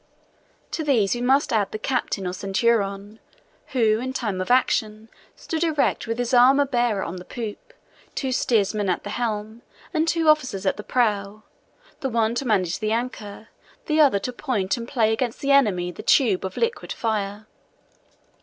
To these we must add the captain or centurion, who, in time of action, stood erect with his armor bearer on the poop, two steersmen at the helm, and two officers at the prow, the one to manage the anchor, the other to point and play against the enemy the tube of liquid fire.